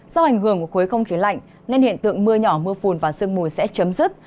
do ảnh hưởng của khối không khí lạnh nên hiện tượng mưa nhỏ mưa phùn và sương mù sẽ chấm dứt